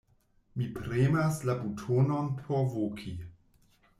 Mi premas la butonon por voki.